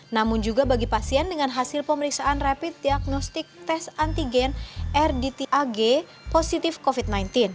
namun juga bagi pasien dengan hasil pemeriksaan rapid diagnostik tes antigen rdtag positif covid sembilan belas